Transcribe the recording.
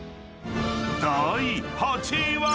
［第８位は］